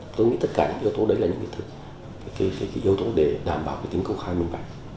tôi nghĩ tất cả những yếu tố đấy là những yếu tố để đảm bảo tính công khai minh bạch